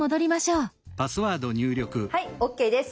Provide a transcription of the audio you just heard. はいＯＫです。